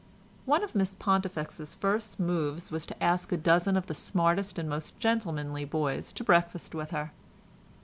One of Miss Pontifex's first moves was to ask a dozen of the smartest and most gentlemanly boys to breakfast with her.